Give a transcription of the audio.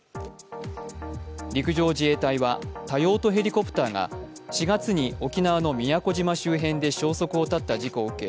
陸上自衛隊は多用途ヘリコプターが４月に沖縄の宮古島周辺で消息を絶った事故を受け